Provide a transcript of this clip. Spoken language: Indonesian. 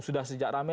sudah sejak rame